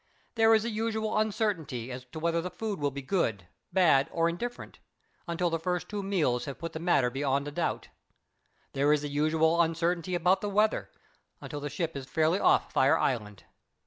There is the usual uncertainty as to whether the food will be good, bad, or indifferent, until the first two meals have put the matter beyond a doubt; there is the usual uncertainty about the weather, until the ship is fairly off Fire Island.